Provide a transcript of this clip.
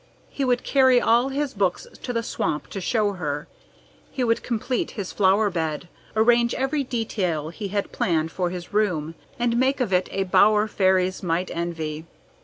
He would carry all his books to the swamp to show to her. He would complete his flower bed, arrange every detail he had planned for his room, and make of it a bower fairies might envy.